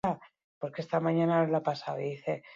Filmei dagokienez, drama psikologikoak dira batez ere ezagunak.